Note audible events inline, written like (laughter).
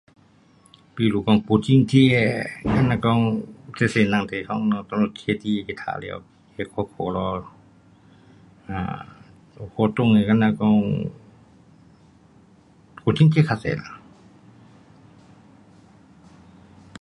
比如说古晋节多多人去玩耍 (unintelligible) 活动比如说 (silence) 古晋节较多啦。